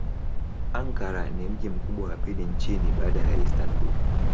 Ankara ni mji mkubwa wa pili nchini baada ya Istanbul.